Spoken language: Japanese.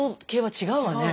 違うわね。